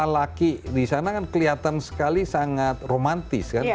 lelaki di sana kan kelihatan sekali sangat romantis kan